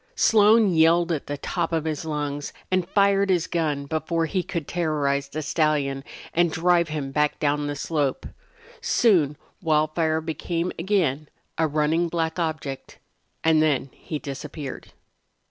Slone yelled at the top of his lungs and fired his gun before he could terrorize the stallion and drive him back down the slope. Soon Wildfire became again a running black object, and then he disappeared.